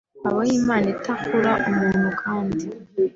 habaho Imana itakura umuntu kandi